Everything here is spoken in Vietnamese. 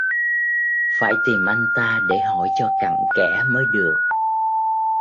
Phải tìm anh ta để hỏi cho cặn kẽ mới được